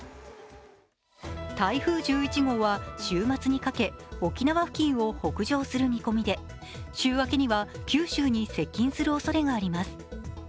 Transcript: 台風１１号は週末にかけ沖縄付近を北上する見込みで週明けには九州に接近するおそれがあります。